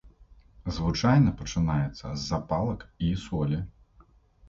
Звычайна пачынаецца з запалак і солі.